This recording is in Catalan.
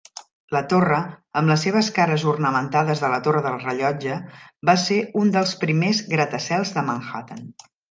La torre, amb les seves cares ornamentades de la torre del rellotge, va ser un dels primers gratacels de Manhattan.